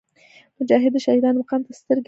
مجاهد د شهیدانو مقام ته سترګې لري.